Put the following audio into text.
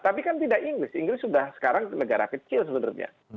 tapi kan tidak inggris inggris sudah sekarang negara kecil sebenarnya